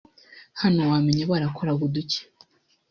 Hano wamenya barakoraga uduki